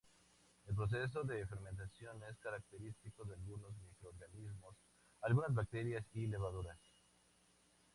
El proceso de fermentación es característico de algunos microorganismos: algunas bacterias y levaduras.